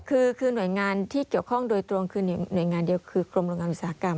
คือหน่วยงานที่เกี่ยวข้องโดยตรงคือหน่วยงานเดียวคือกรมโรงงานอุตสาหกรรม